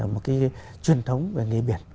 một truyền thống về nghề biển